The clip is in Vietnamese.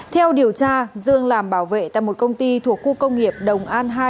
theo điều tra dương làm bảo vệ tại một công ty thuộc khu công nghiệp đồng an hai